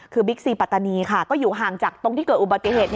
คือบิ๊กซีปัตตานีค่ะก็อยู่ห่างจากตรงที่เกิดอุบัติเหตุ